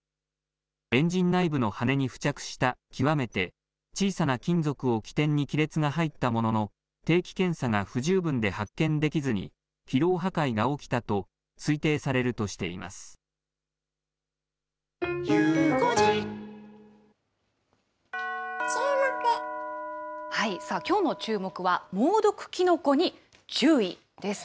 エンジン内部の羽根に付着した極めて小さな金属を起点に亀裂が入ったものの定期検査が不十分で発見できずに、疲労破壊が起きたときょうのチューモク！は、猛毒キノコに注意です。